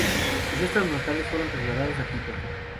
Sus restos mortales fueron trasladados a Quito.